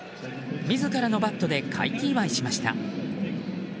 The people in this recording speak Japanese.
自らのバットで快気祝いしました。